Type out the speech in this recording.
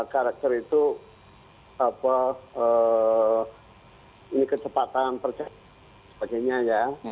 karakter itu kesepatan perjalanan sebagainya ya